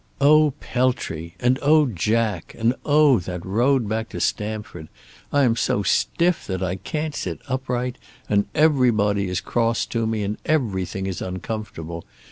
Oh, Peltry, and oh, Jack, and oh, that road back to Stamford! I am so stiff that I can't sit upright, and everybody is cross to me, and everything is uncomfortable.